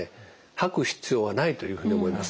吐く必要はないというふうに思います。